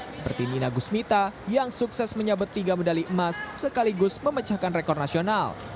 seperti nina gusmita yang sukses menyabet tiga medali emas sekaligus memecahkan rekor nasional